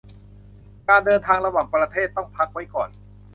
การเดินทางระหว่างประเทศต้องพักไว้ก่อน